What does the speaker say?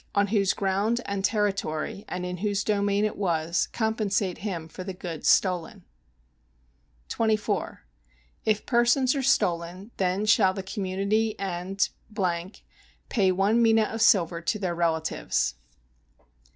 on whose ground and territory and in whose domain it was compensate him for the goods stolen. 24. If persons are stolen, then shall the community and ... pay one mina of silver to their relatives.